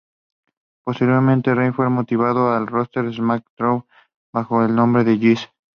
Posteriormente Ray sería movido al roster de SmackDown bajo el nombre de Jesse.